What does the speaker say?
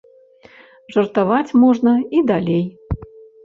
Жартаваць можна і далей.